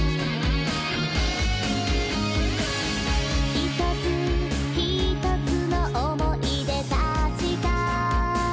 「ひとつひとつの思い出たちが」